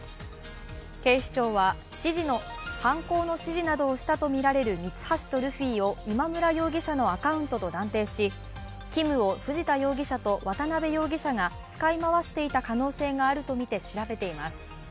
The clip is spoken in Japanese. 警視庁は犯行の指示などをしたとみられるミツハシとルフィを今村容疑者のアカウントと断定し、Ｋｉｍを藤田容疑者と渡辺容疑者が使い回していた可能性があるとみて調べています。